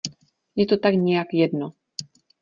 Je to tak nějak jedno.